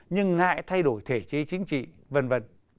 nhưng ngại thay đổi thể chế chính trị v v